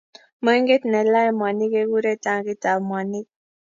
moinget ne lae mwanik kekure tankit ab mwanik